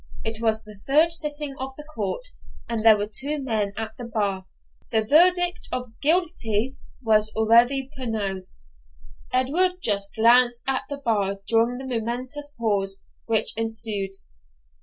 It was the third sitting of the court, and there were two men at the bar. The verdict of GUILTY was already pronounced. Edward just glanced at the bar during the momentous pause which ensued.